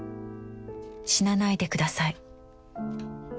『死なないでください』